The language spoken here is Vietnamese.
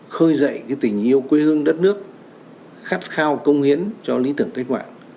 khơi dậy tình yêu quê hương đất nước khát khao công hiến cho lý tưởng kết quả